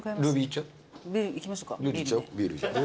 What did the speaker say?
いきましょうか。